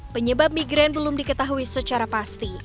penyebab migraine belum diketahui secara pasti